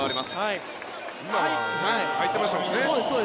今、空いてましたもんね。